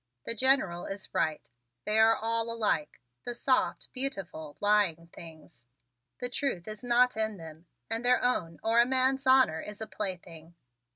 The General is right: they are all alike, the soft, beautiful, lying things. The truth is not in them, and their own or a man's honor is a plaything.